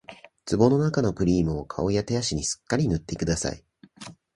壺のなかのクリームを顔や手足にすっかり塗ってください